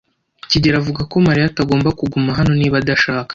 kigeli avuga ko Mariya atagomba kuguma hano niba adashaka.